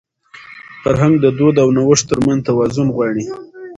فرهنګ د دود او نوښت تر منځ توازن غواړي.